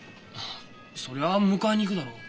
そりゃ迎えに行くだろう？